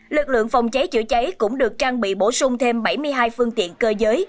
lực lượng phòng cháy chữa cháy cũng được trang bị bổ sung thêm bảy mươi hai phương tiện cơ giới